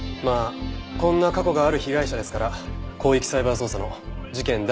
まあこんな過去がある被害者ですから広域サイバー捜査の事件